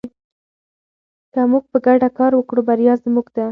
که موږ په ګډه کار وکړو بریا زموږ ده.